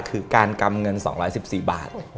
คือการกำเงิน๒๑๔บาท